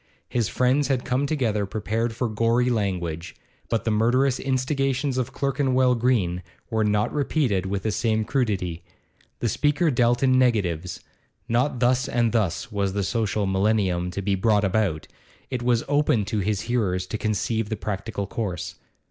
His friends had come together prepared for gory language, but the murderous instigations of Clerkenwell Green were not repeated with the same crudity. The speaker dealt in negatives; not thus and thus was the social millennium to be brought about, it was open to his hearers to conceive the practical course.